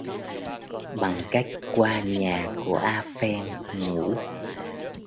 Bằng cách qua nhà của A Pheng ngủ